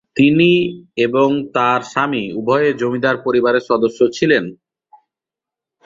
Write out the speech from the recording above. তিনি এবং তাঁর স্বামী উভয়েই জমিদার পরিবারের সদস্য ছিলেন।